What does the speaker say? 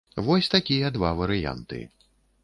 Вось такія два варыянты.